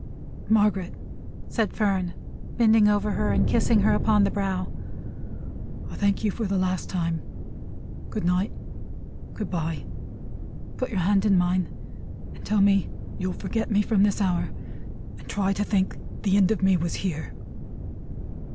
"Margaret," said Fern, bending over her, and kissing her upon the brow: "I thank you for the last time. Good night. Good bye! Put your hand in mine, and tell me you'll forget me from this hour, and try to think the end of me was here."